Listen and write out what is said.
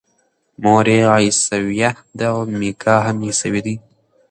مور یې عیسویه ده او میکا هم عیسوی دی.